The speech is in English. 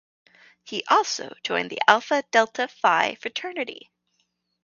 He also joined the Alpha Delta Phi fraternity.